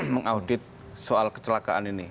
mengaudit soal kecelakaan ini